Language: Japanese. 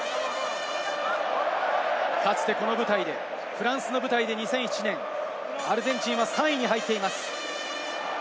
かつてこのフランスの舞台でアルゼンチンは３位に入っています。